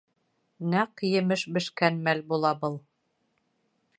Нәҡ емеш бешкән мәл була был.